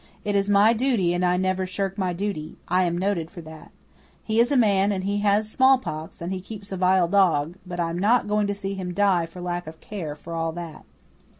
"It is my duty and I never shirk my duty. I am noted for that. He is a man, and he has smallpox, and he keeps a vile dog; but I am not going to see him die for lack of care for all that."